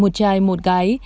một trai một gái